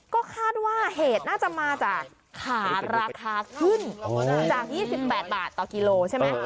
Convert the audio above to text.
ก็คาดว่าเหตุน่าจะมาจากขาราคาขึ้นจาก๒๘บาทต่อกิโลใช่ไหม